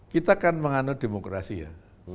kita kan menganut demokrasi ya